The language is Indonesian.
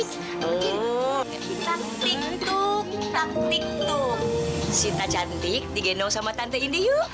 taktik tuh sita cantik digenong sama tante indi yuk